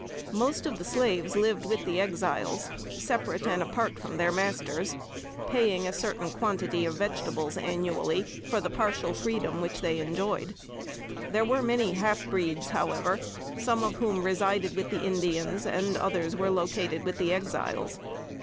Most of the slaves lived with the Exiles, separate and apart from their masters, paying a certain quantity of vegetables annually, for the partial freedom which they enjoyed. There were many half breeds, however, some of whom resided with the Indians, and others were located with the Exiles.